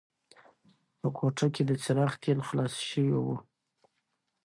په کوټه کې د څراغ تېل خلاص شوي وو.